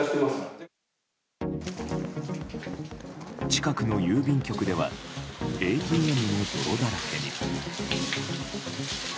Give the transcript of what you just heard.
近くの郵便局ではＡＴＭも泥だらけに。